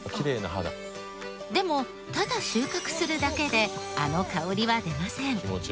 でもただ収穫するだけであの香りは出ません。